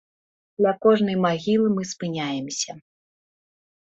Ля кожнай магілы мы спыняемся.